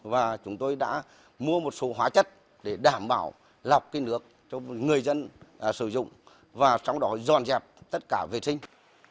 và chúng tôi đã mua một số hóa chất để đảm bảo lọc nước cho người dân sử dụng và trong đó dọn dẹp tất cả vệ sinh